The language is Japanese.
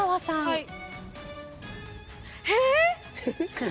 はい！